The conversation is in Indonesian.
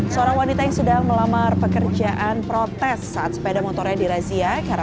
seorang wanita yang sedang melamar pekerjaan protes saat sepeda motornya di razia gara